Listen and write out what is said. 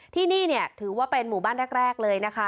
ที่นี่เนี่ยถือว่าเป็นหมู่บ้านแรกเลยนะคะ